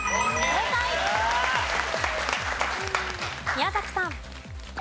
宮崎さん。